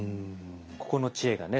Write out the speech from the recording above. ここの知恵がね